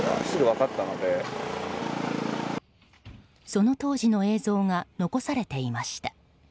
その当時の映像が残されていました。